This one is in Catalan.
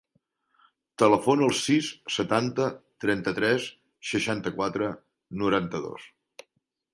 Telefona al sis, setanta, trenta-tres, seixanta-quatre, noranta-dos.